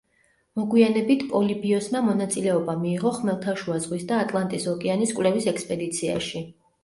მოგვიანებით პოლიბიოსმა მონაწილეობა მიიღო ხმელთაშუა ზღვის და ატლანტის ოკეანის კვლევის ექსპედიციაში.